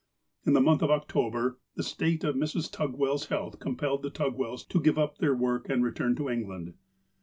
In the mouth of October, the state of Mrs. Tug well's health compelled the Tugwells to give up their work, and return to England.